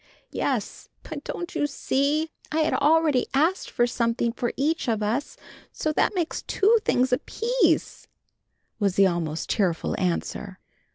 "Yes, but don't you see, I had already asked for something for each of us, so that makes two things apiece," was the almost tearful answer.